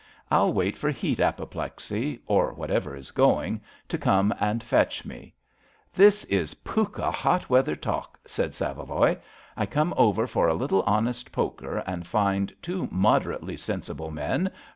I'll wait for heat apoplexy, or whatever is going, to come and fetch me," This is pukka hot weather talk," said Saveloy. I come over for a little honest poker, and find two moderately sensible men.